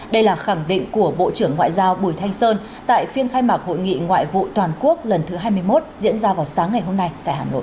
đây là khẳng định của bộ trưởng ngoại giao bùi thanh sơn tại phiên khai mạc hội nghị ngoại vụ toàn quốc lần thứ hai mươi một diễn ra vào sáng ngày hôm nay tại hà nội